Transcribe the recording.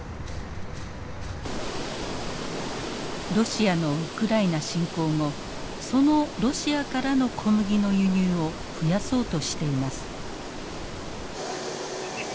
ロシアのウクライナ侵攻後そのロシアからの小麦の輸入を増やそうとしています。